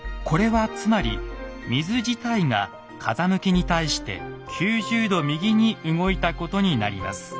これはつまり水自体が風向きに対して９０度右に動いたことになります。